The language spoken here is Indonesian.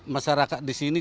masyarakat di sini